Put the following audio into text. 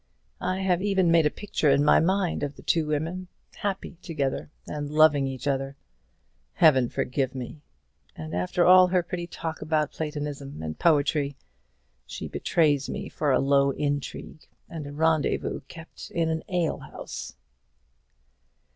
I have even made a picture in my mind of the two women, happy together, and loving each other. Heaven forgive me! And after all her pretty talk about platonism and poetry, she betrays me for a low intrigue, and a rendezvous kept in an ale house."